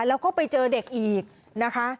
แล้วก็ไปเจอเด็กอีกนะคะ